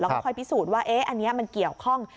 แล้วก็ค่อยพิสูจน์ว่าอันนี้มันเกี่ยวข้อง